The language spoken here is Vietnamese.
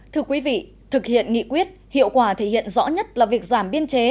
thưa quý vị thực hiện nghị quyết hiệu quả thể hiện rõ nhất là việc giảm biên chế